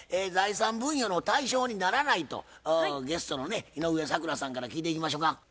財産分与の対象にならないとゲストのね井上咲楽さんから聞いていきましょか。